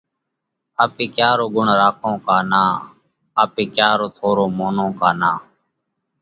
آپي ڪيا رو ڳڻ راکونه ڪا نان؟ آپي ڪيا رو ٿورو مونونه ڪا نان؟